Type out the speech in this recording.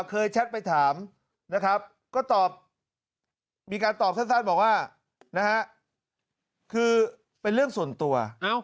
เคยแชทไปถามมีการตอบสั้นบอกว่าคือเป็นเรื่องส่วนตัว